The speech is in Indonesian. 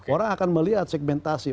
orang akan melihat segmentasi